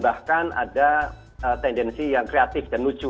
bahkan ada tendensi yang kreatif dan lucu